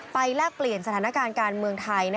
แลกเปลี่ยนสถานการณ์การเมืองไทย